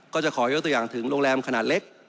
ก็จะขอยกตัวอย่างถึงโรงแรมขนาดเล็ก